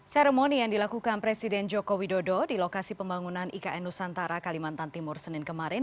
seremoni yang dilakukan presiden joko widodo di lokasi pembangunan ikn nusantara kalimantan timur senin kemarin